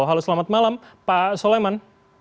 halo selamat malam pak soleman